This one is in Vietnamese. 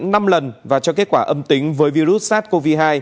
năm lần và cho kết quả âm tính với virus sars cov hai